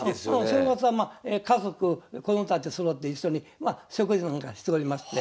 正月は家族子供たちそろって一緒に食事なんかしておりまして。